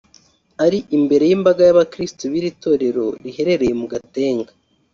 Ari imbere y’imbaga y’abakiristo b’iri torero riherereye mu Gatenga